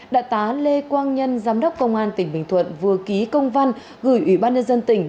đại tá lê quang nhân giám đốc công an tỉnh bình thuận vừa ký công văn gửi ủy ban nhân dân tỉnh